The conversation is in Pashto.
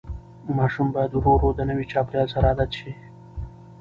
ماشوم باید ورو ورو د نوي چاپېریال سره عادت شي.